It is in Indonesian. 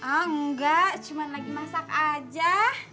oh enggak cuma lagi masak aja